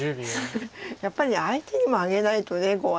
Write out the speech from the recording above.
やっぱり相手にもあげないと碁は。